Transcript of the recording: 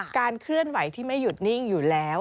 เคลื่อนไหวที่ไม่หยุดนิ่งอยู่แล้ว